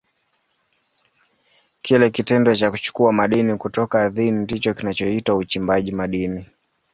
Kile kitendo cha kuchukua madini kutoka ardhini ndicho kinachoitwa uchimbaji madini.